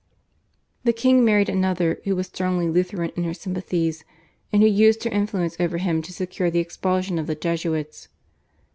The king married another who was strongly Lutheran in her sympathies, and who used her influence over him to secure the expulsion of the Jesuits.